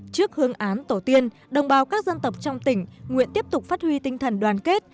trước hương án tổ tiên đồng bào các dân tộc trong tỉnh nguyện tiếp tục phát huy tinh thần đoàn kết